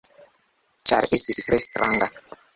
Ĉar estis tre stranga.